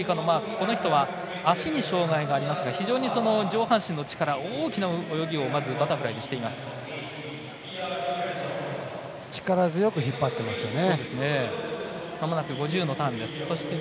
この人は足に障がいがありますが非常に上半身の力大きな泳ぎを力強く引っ張ってますね。